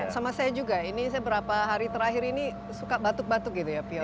sama saya juga ini saya berapa hari terakhir ini suka batuk batuk gitu ya pilot